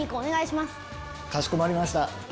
かしこまりました。